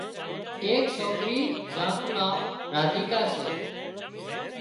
ايڪ سوڪري زين نُون نان راديڪا سي